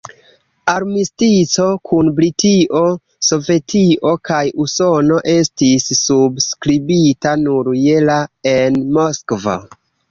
Armistico kun Britio, Sovetio kaj Usono estis subskribita nur je la en Moskvo.